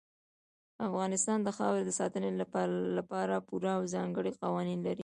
افغانستان د خاورې د ساتنې لپاره پوره او ځانګړي قوانین لري.